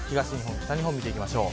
気温を見ていきましょう。